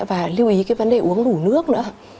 và lưu ý cái vấn đề uống đủ nước nữa